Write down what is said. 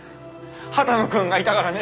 波多野君がいたからね！